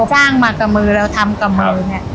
จ้างมากับมือเราทำกับมือเนี่ย